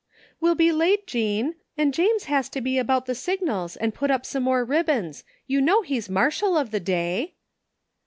" We'll be late, Jean, and James has to see about the signals and put up some more ribbons. You know he's marshal of the day."